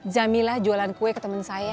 jamilah jualan kue ke temen saya